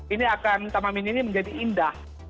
ini akan taman mini ini menjadi indah